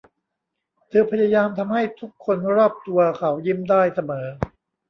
เธอพยายามทำให้ทุกคนรอบตัวเขายิ้มได้เสมอ